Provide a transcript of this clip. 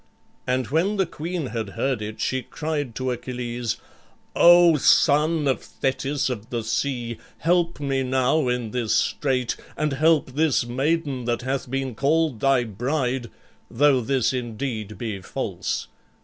And when the queen had heard it, she cried to Achilles, "O son of Thetis of the sea! help me now in this strait and help this maiden that hath been called thy bride, though this indeed be false.